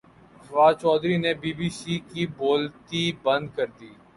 فواد چوہدری نے B B C کی بولتی بند کردی